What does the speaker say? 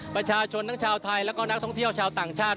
ประชาชนทั้งชาวไทยแล้วก็นักท่องเที่ยวชาวต่างชาติ